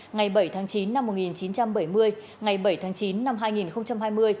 ngày bảy tháng chín năm một nghìn chín trăm bảy mươi ngày bảy tháng chín năm hai nghìn hai mươi